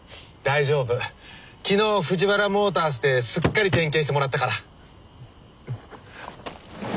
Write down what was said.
昨日藤原モータースですっかり点検してもらったから。